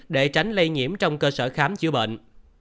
để tránh lây nhiễm trong cơ sở khám chữa bệnh